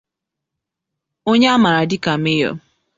onye a maara dịka Mayor